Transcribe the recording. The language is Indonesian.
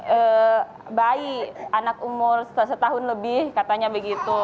eh bayi anak umur setahun lebih katanya begitu